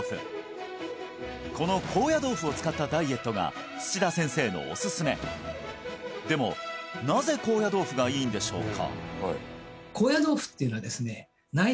この高野豆腐を使ったダイエットが土田先生のおすすめでもなぜ高野豆腐がいいんでしょうか？